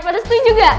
pada setuju gak